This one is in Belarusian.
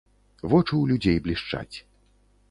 Вочы ў людзей блішчаць.